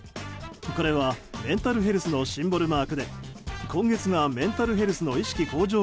これは、メンタルヘルスのシンボルマークで今月がメンタルヘルスの意識向上